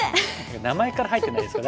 名前から入ってないですか？